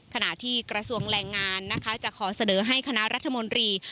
ขณะที่กระทรวงแรงงานนะคะจะขอเสนอให้คณะรัฐมนตรี